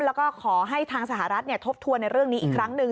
แล้วก็ขอให้ทางสหรัฐทบทวนในเรื่องนี้อีกครั้งหนึ่ง